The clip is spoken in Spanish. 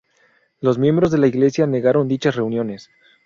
Los miembros de la iglesia negaron dichas reuniones.